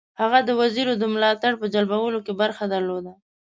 هغه د وزیرو د ملاتړ په جلبولو کې برخه درلوده.